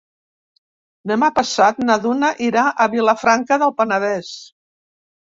Demà passat na Duna irà a Vilafranca del Penedès.